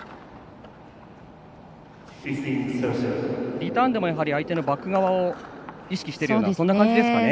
リターンでも相手のバック側を意識しているような感じですかね。